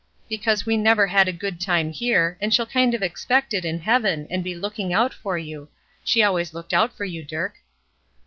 'Cause we never had a good time here, and she'll kind of expect it in heaven, and be looking out for you; she always looked out for you, Dirk."